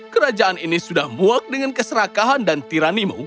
kerajaan ini sudah muak dengan keserakahan dan tiranimu